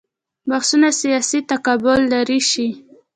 بحثونه سیاسي تقابل لرې شي.